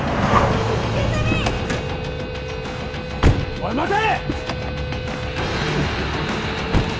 おい待て！